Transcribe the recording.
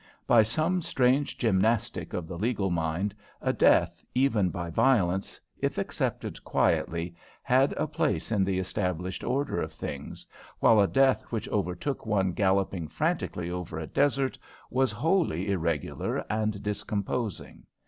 By some strange gymnastic of the legal mind, a death, even by violence, if accepted quietly, had a place in the established order of things, while a death which overtook one galloping frantically over a desert was wholly irregular and discomposing.